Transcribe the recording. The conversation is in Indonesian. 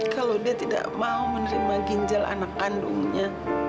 kalau dia tidak mau menerima ginjal anak kandungnya